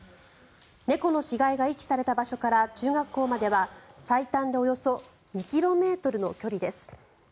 猫の死骸が遺棄された場所から中学校までは最短でおよそ２ｋｍの距離です。